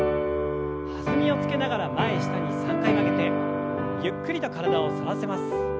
弾みをつけながら前下に３回曲げてゆっくりと体を反らせます。